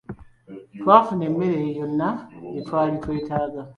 Twafuna emmere yonna gye twali twetaaga.